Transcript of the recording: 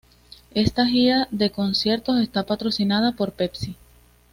Esta gira de conciertos está patrocinada por Pepsi.